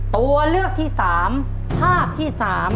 ตัวเลือกที่๓ภาพที่๓